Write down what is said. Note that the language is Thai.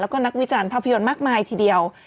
แล้วก็นักวิจารณ์ภาพยนตร์มากมายทีเดียว